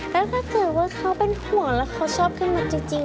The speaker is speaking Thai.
แล้วถ้าเกิดว่าเขาเป็นห่วงแล้วเขาชอบขึ้นมาจริง